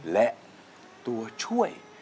และตัวช่วย